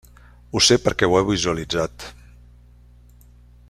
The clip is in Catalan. Ho sé perquè ho he visualitzat.